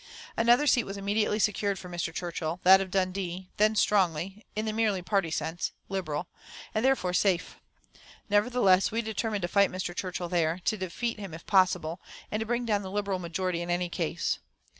Another seat was immediately secured for Mr. Churchill, that of Dundee, then strongly in the merely party sense Liberal, and therefore safe. Nevertheless, we determined to fight Mr. Churchill there, to defeat him if possible, and to bring down the Liberal majority in any case.